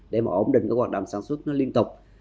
để mà ổn định cái hoạt động sản xuất nó liên tục